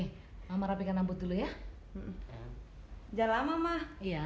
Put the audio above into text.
hai mama rapikan rambut dulu ya jalan mama iya